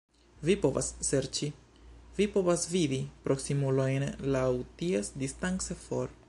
Vi povas serĉi... vi povas vidi proksimulojn laŭ ties distance for